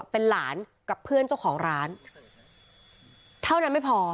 เป็นหลานกับเพื่อนเจ้าของร้านเท่านั้นไม่พอ